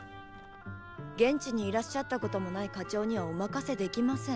現地にいらっしゃったこともない課長にはお任せできません。